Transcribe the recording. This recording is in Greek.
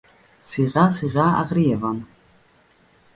Σιγά σιγά αγρίευαν